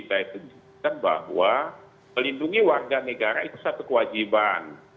saya tunjukkan bahwa melindungi warga negara itu satu kewajiban